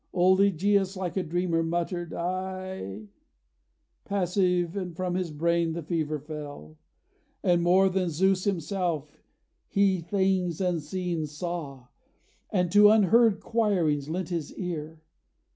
Old Ægeus, like a dreamer, muttered 'Aye,' Passive; and from his brain the fever fell, And more than Zeus himself, he things unseen Saw, and to unheard choirings lent his ear.